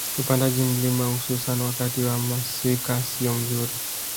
Upandaji mlima hususan wakati wa masika siyo mzuri